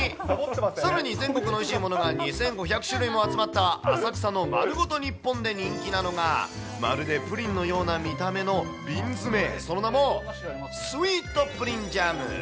さらに全国のおいしいものが２５００種類も集まった、浅草のまるごと日本で人気なのが、まるでプリンのような見た目の瓶詰、その名も、スイートプリンジャム。